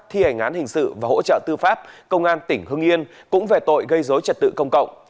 thi hành án hình sự và hỗ trợ tư pháp công an tỉnh hưng yên cũng về tội gây dối trật tự công cộng